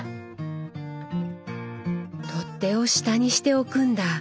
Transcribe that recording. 取っ手を下にして置くんだ。